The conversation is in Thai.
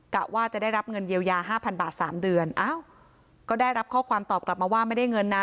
กะว่าจะได้รับเงินเยียวยาห้าพันบาทสามเดือนอ้าวก็ได้รับข้อความตอบกลับมาว่าไม่ได้เงินนะ